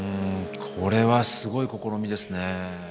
これはすごい試みですね。